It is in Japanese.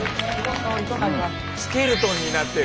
スケルトンになってる。